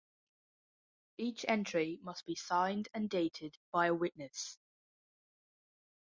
Each entry must be signed and dated by a witness.